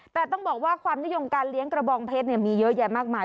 แต่ต้องบอกว่าความนิยมการเลี้ยงกระบองเพชรมีเยอะแยะมากมาย